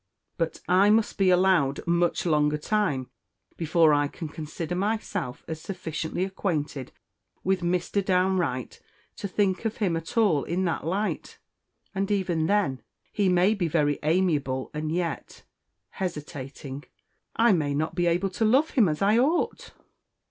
"But I must be allowed much longer time before I can consider myself as sufficiently acquainted with Mr. Downe Wright to think of him at all in that light. And even then he may be very amiable, and yet" hesitating "I may not be able to love him as I ought."